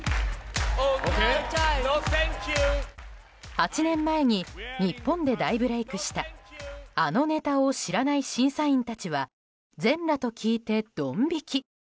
８年前に日本で大ブレークしたあのネタを知らない審査員たちは全裸と聞いてドン引き。